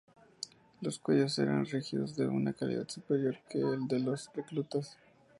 Los cuellos eran rígidos y de una calidad superior que el de los reclutas.